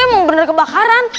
emang bener kebakaran